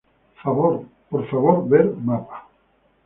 Favor ver mapa.